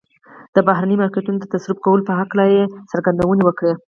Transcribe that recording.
د بهرنيو مارکيټونو د تصرف کولو په هکله يې څرګندونې وکړې.